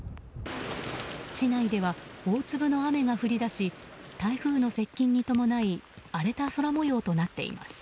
市内では大粒の雨が降り出し台風の接近に伴い荒れた空模様となっています。